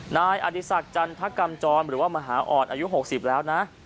นายอดีศักดิ์จันทกรรมจรหรือว่ามหาอ่อนอายุ๖๐แล้วนะ